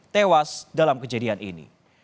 tewas dalam kejadian ini